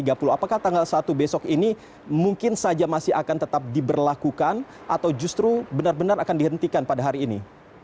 apakah tanggal satu besok ini mungkin saja masih akan tetap diberlakukan atau justru benar benar akan dihentikan pada hari ini